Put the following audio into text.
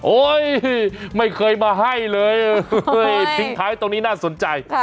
ไม่เคยมาให้เลยทิ้งท้ายตรงนี้น่าสนใจ